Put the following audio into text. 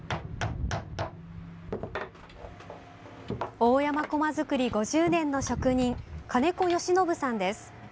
大山こま作り５０年の職人金子吉延さんです。